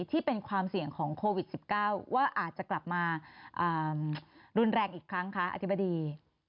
ที่เป็นความเสี่ยงของโควิด๑๙ว่าอาจจะกลับมารุนแรงอีกครั้งคะอธิบดี